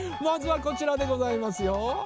まずはこちらでございますよ。